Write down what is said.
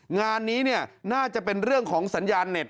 งานนี้เนี่ยน่าจะเป็นเรื่องของสัญญาณเน็ต